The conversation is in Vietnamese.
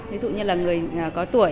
ví dụ như là người có tuổi